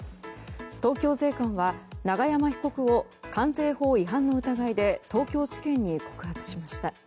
東京税関は、長山被告を関税法違反の疑いで東京地検に告発しました。